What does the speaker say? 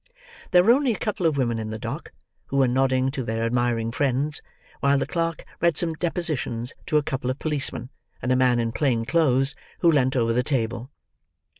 There were only a couple of women in the dock, who were nodding to their admiring friends, while the clerk read some depositions to a couple of policemen and a man in plain clothes who leant over the table.